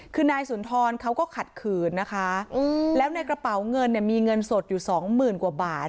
คือนายสุนทรเขาก็ขัดขืนนะคะแล้วในกระเป๋าเงินเนี่ยมีเงินสดอยู่สองหมื่นกว่าบาท